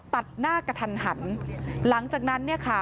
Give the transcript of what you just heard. ตัดหน้ากระทันหันหลังจากนั้น